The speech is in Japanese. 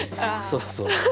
そうそう。